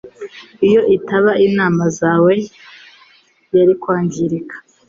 Iyo itaba inama zawe, yari kwangirika.